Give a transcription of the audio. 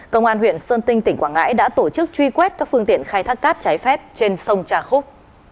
công an huyện sơn tinh tỉnh quảng ngãi đã tổ chức truy quét các phương tiện khai thác cát trái phép trên sông trà khúc